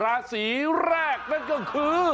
ราศีแรกนั่นก็คือ